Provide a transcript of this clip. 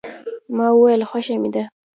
ما ویل خوښه مې ده.